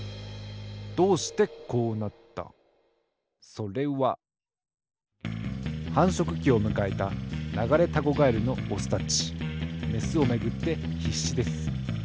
それははんしょくきをむかえたナガレタゴガエルのオスたちメスをめぐってひっしです。